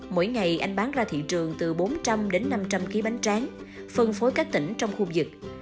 mỗi ngày anh bán ra thị trường từ bốn trăm linh đến năm trăm linh kg bánh tráng phân phối các tỉnh trong khu vực